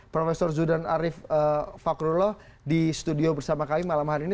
prof zudan arief fakrullah di studio bersama kami malam hari ini